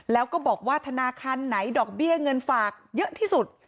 แล้วก็บอกว่าธนาคารไหนดอกเบี้ยเงินฝากเยอะที่สุด